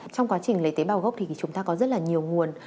trong quá trình lấy tế bào gốc thì chúng ta có rất là nhiều nguồn